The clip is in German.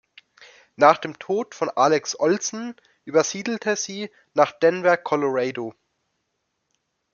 Nach dem Tod von Alex Olsen übersiedelte sie nach Denver, Colorado.